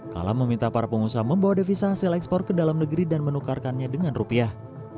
kalam meminta para pengusaha membawa devisa hasil ekspor ke dalam negeri dan menukarkannya dengan rupiah